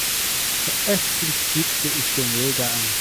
Verächtlich blickte ich den Jäger an.